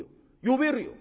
呼べるよ！